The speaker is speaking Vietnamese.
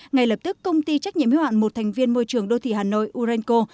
ngay lập tức công ty trách nhiệm hiệu hạn một thành viên môi trường đô thị hà nội urenco